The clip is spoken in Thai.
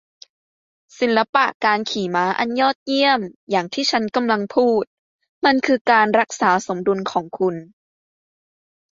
ศิลปะการขี่ม้าอันยอดเยี่ยมอย่างที่ฉันกำลังพูด มันคือการรักษาสมดุลของคุณ